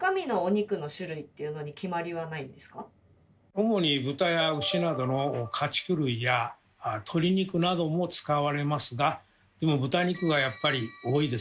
主に豚や牛などの家畜類や鶏肉なども使われますがでも豚肉がやっぱり多いですね。